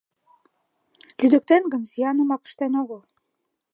— Лӱдыктен гын, зиянымак ыштен огыл...